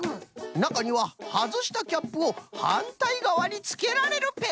なかにははずしたキャップをはんたいがわにつけられるペンもあるぞい。